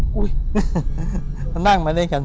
ผูดถามท้ายครับ